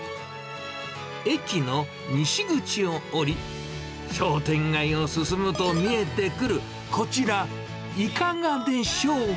駅の西口を下り、商店街を進むと見えてくる、こちら、いかがでしょうが？